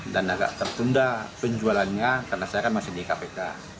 dan agak tertunda penjualannya karena saya kan masih di kpk